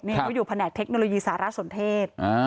นี่เขาอยู่แผนกเทคโนโลยีสารสนเทศ